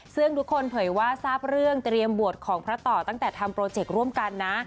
ซึ่งทุกคนเผยว่าทราบเรื่องเตรียมบวชของพระต่อตั้งแต่ทำโปรเจกต์ร่วมกันนะ